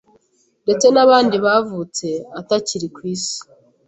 ndetse n’abandi bavutse atakiri ku Isi